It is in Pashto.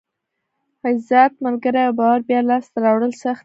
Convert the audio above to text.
عزت، ملګري او باور بیا لاسته راوړل سخت دي.